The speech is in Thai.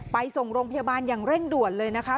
ไปส่งโรงพยาบาลอย่างเร่งด่วนเลยนะคะ